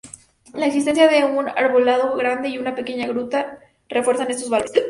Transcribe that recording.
La existencia de un arbolado grande y una pequeña gruta refuerzan esos valores.